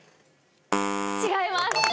違います。